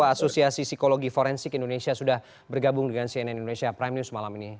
asosiasi psikologi forensik indonesia sudah bergabung dengan cnn indonesia prime news malam ini